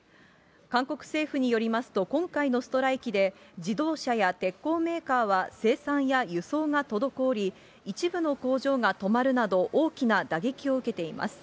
韓国政府によりますと、今回のストライキで、自動車や鉄鋼メーカーは生産や輸送が滞り、一部の工場が止まるなど大きな打撃を受けています。